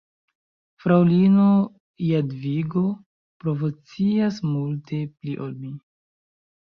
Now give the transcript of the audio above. Fraŭlino Jadvigo povoscias multe pli ol mi.